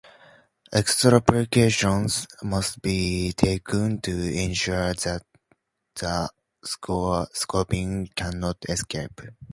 Extra precautions must be taken to ensure that the scorpion cannot escape.